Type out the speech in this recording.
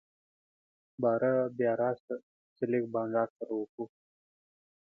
باره بيا راسه چي لږ بانډار سره وکو.